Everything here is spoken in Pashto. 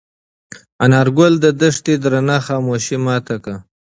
انارګل د دښتې درنه خاموشي ماته کړه.